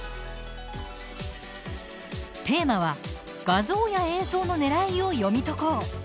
テーマは画像や映像のねらいを読み解こう。